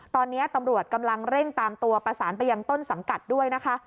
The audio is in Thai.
ตอนนี้ตำรวจกำลังเร่งตามตัวประสานไปยังต้นสังกัดด้วยนะคะ